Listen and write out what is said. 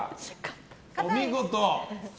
お見事！